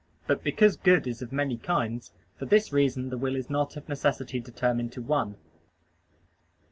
But because good is of many kinds, for this reason the will is not of necessity determined to one.